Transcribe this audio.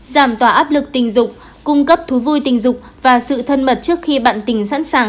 giảm tỏa áp lực tình dục cung cấp thú vui tình dục và sự thân mật trước khi bạn tình sẵn sàng